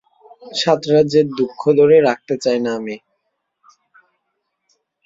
সাত রাজ্যের দুঃখ ধরে রাখতে চাই না আমি।